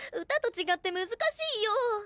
歌と違って難しいよ。